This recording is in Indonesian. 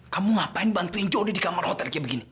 kamu ngapain bantuin joh di kamar hotel kayak begini